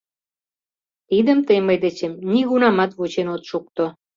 — Тидым тый мый дечем нигунамат вучен от шукто.